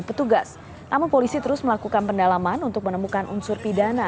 petugas namun polisi terus melakukan pendalaman untuk menemukan unsur pidana